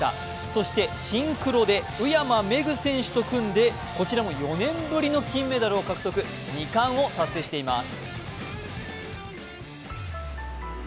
そしてシンクロで宇山芽紅選手と組んでこちらも４年ぶりの金メダルを獲得最新のニュースです。